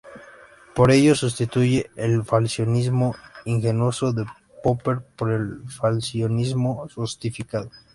Por ello sustituye el falsacionismo ingenuo de Popper por un falsacionismo sofisticado.